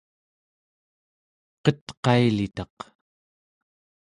qetqailitaq